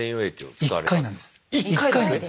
１回なんです。